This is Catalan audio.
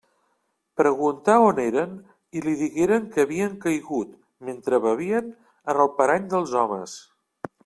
Preguntà on eren i li digueren que havien caigut, mentre bevien, en el parany dels homes.